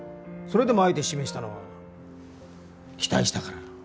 それでもあえて指名したのは期待したから。